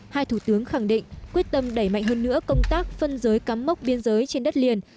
hai thủ tướng khẳng định quyết tâm đẩy mạnh hơn nữa công tác phân giới cắm mốc biên giới trên đất liền